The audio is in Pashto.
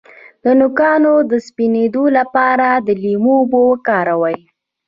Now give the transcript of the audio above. د نوکانو د سپینیدو لپاره د لیمو اوبه وکاروئ